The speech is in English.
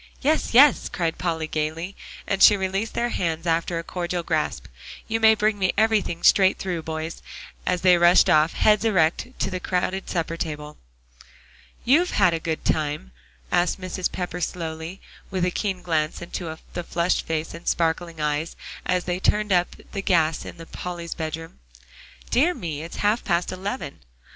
"Yes, yes," cried Polly gaily, and she released their hands after a cordial grasp. "You may bring me everything straight through, boys," as they rushed off, heads erect, to the crowded supper table. "You've had a good time?" asked Mrs. Pepper slowly, with a keen glance into the flushed face and sparkling eyes, as they turned up the gas in Polly's bedroom. "Dear me! it is half past eleven."